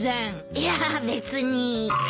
いや別に。